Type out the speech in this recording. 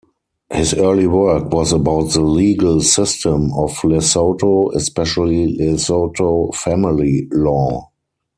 His early work was about the legal system of Lesotho, especially Lesotho family law.